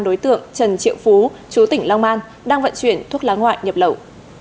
đối tượng trần triệu phú chú tỉnh long an đang vận chuyển thuốc lá ngoại nhập lậu